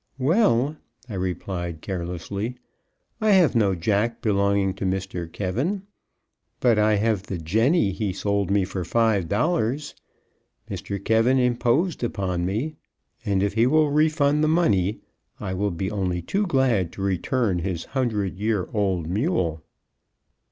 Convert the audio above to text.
"Well," I replied, carelessly, "I have no jack belonging to Mr. K , but I have the jenny he sold me for five dollars. Mr. K imposed upon me, and if he will refund the money, I will be only too glad to return his hundred year old mule."